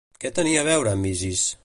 Què tenia a veure amb Isis?